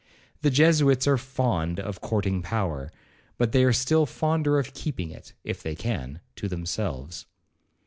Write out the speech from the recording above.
The Jesuits are fond of courting power, but they are still fonder of keeping it, if they can, to themselves.